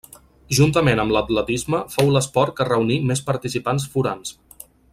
Juntament amb l'atletisme fou l'esport que reuní més participants forans.